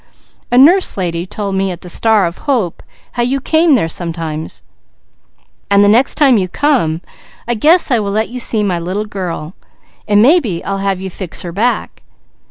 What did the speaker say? A Nurse Lady told me at the "Star of Hope" how you came there sometimes, and the next time you come, I guess I will let you see my little girl; and maybe I'll have you fix her back.